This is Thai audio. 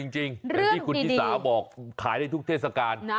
จริงที่ทีสาบอกขายได้ทุกเทศกาล